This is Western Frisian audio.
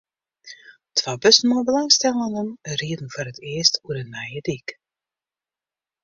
Twa bussen mei belangstellenden rieden foar it earst oer de nije dyk.